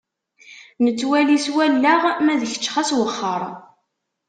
Nettwali s wallaɣ, ma d kečč ɣas wexxeṛ.